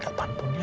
sampai kapanpun ya